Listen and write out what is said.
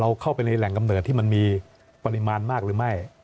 เข้าไปในแหล่งกำเนิดที่มันมีปริมาณมากหรือไม่